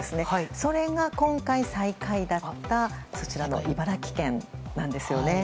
それが今回、最下位だった茨城県なんですよね。